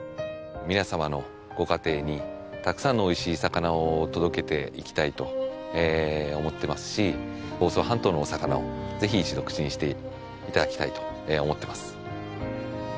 皆様のご家庭にたくさんのおいしい魚を届けていきたいと思ってますし房総半島のお魚をぜひ一度口にして頂きたいと思ってます。